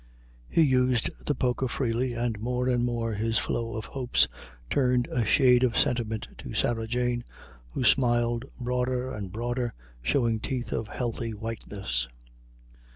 He used the poker freely, and more and more his flow of hopes turned a shade of sentiment to Sarah Jane, who smiled broader and broader, showing teeth of healthy whiteness.